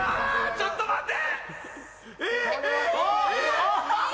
ちょっと待って！